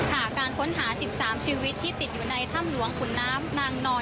การค้นหา๑๓ชีวิตที่ติดอยู่ในถ้ำหลวงขุนน้ำนางนอน